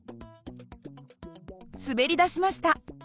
滑りだしました。